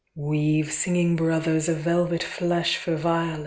Weave, singing brothers, a Velvet flesh for Viola!